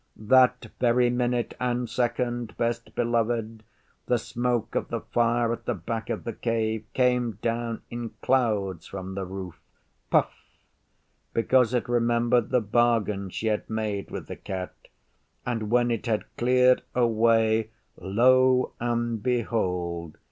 That very minute and second, Best Beloved, the smoke of the fire at the back of the Cave came down in clouds from the roof puff! because it remembered the bargain she had made with the Cat, and when it had cleared away lo and behold!